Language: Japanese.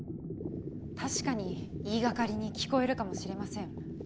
確かに言いがかりに聞こえるかもしれません。